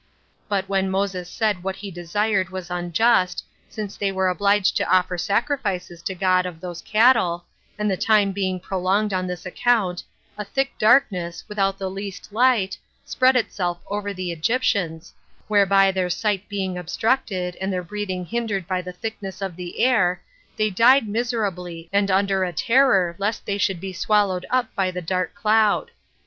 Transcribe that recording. But when Moses said that what he desired was unjust, since they were obliged to offer sacrifices to God of those cattle, and the time being prolonged on this account, a thick darkness, without the least light, spread itself over the Egyptians, whereby their sight being obstructed, and their breathing hindered by the thickness of the air, they died miserably, and under a terror lest they should be swallowed up by the dark cloud.